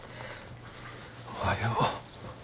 おはよう。